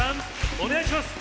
お願いします。